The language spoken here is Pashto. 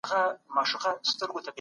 ایا تاسو داستاني اثر لولئ؟